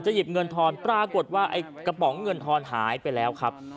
หยิบเงินทอนปรากฏว่าไอ้กระป๋องเงินทอนหายไปแล้วครับ